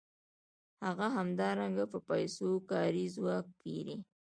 هغه همدارنګه په پیسو کاري ځواک پېري